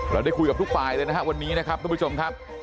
ได้คุยกับทุกฝ่ายเลยนะครับวันนี้นะครับทุกผู้ชมครับ